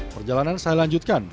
perjalanan saya lanjutkan